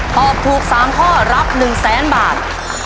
ตอบถูกสามข้อรับหนึ่งแสนบาท